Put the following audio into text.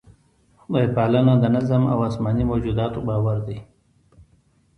خدای پالنه د نظم او اسماني موجوداتو باور دی.